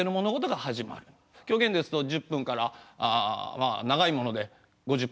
狂言ですと１０分からまあ長いもので５０分ぐらい。